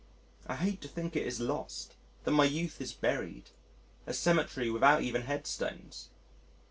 I hate to think it is lost; that my youth is buried a cemetery without even headstones.